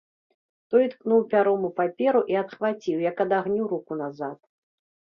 Той ткнуў пяром у паперу і адхваціў, як ад агню, руку назад.